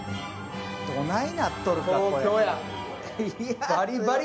どないなっとる、これ。